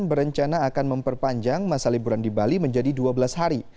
berencana akan memperpanjang masa liburan di bali menjadi dua belas hari